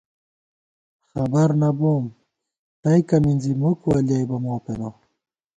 خبر نہ بوم تئیکہ مِنزی مُک ولیَئیبہ مو پېنہ